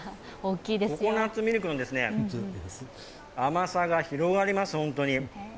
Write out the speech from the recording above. ココナッツミルクの甘さが広がります、ホントに。